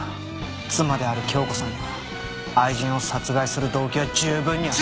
妻である響子さんには愛人を殺害する動機は十分にある。